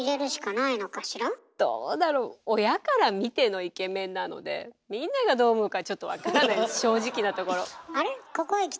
どうだろう親から見てのイケメンなのでみんながどう思うかちょっと分からないです